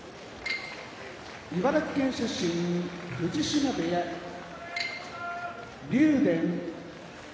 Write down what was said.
茨城県出身藤島部屋竜電